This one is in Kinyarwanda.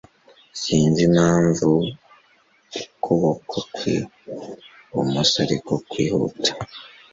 sinzi impa mvu uku boko kwi bu musoariko kwi huta